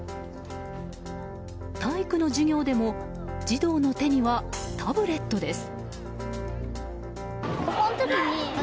体育の授業でも児童の手にはタブレットです。